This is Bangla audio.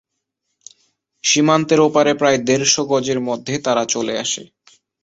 সীমান্তের ওপারে প্রায় দেড় শ গজের মধ্যে তারা চলে আসে।